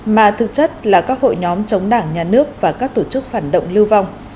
mà thực chất là các hội nhóm chống đảng nhà nước và các tổ chức phản động lưu vong